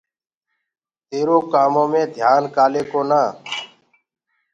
تيرو ڪآمو مي ڌيآن ڪآلي ڪونآ؟